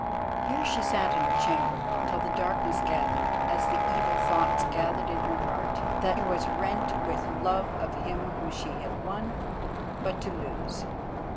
Here she sat in her chamber till the darkness gathered, as the evil thoughts gathered in her heart, that was rent with love of him whom she had won but to lose.